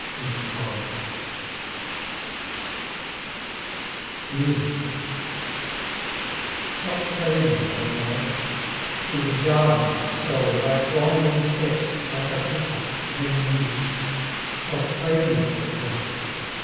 28 MUSIC What play you, O Boy? Through the garden it stole Like wandering steps, like a whisper — then mute; What play you, O Boy?